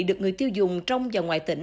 được người tiêu dùng trong và ngoài tỉnh